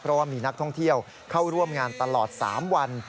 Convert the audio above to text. เพราะว่ามีนักท่องเที่ยวเข้าร่วมงานตลอด๓วัน